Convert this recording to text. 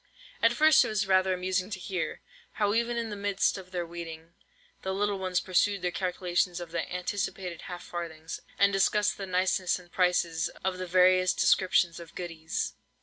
At first it was rather amusing to hear, how even in the midst of their weeding, the little ones pursued their calculations of the anticipated half farthings, and discussed the niceness and prices of the various descriptions of "goodies."